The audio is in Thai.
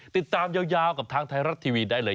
ติดตามยาวกับทางไทยรัฐทีวีได้เลย